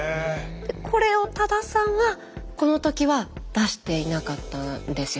これを多田さんはこの時は出していなかったんですよね。